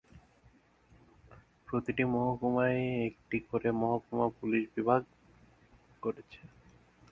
প্রতিটি মহকুমায় একটি করে মহকুমা পুলিশ বিভাগ করেছে।